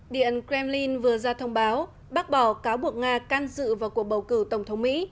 điện kremlin vừa ra thông báo bác bỏ cáo buộc nga can dự vào cuộc bầu cử tổng thống mỹ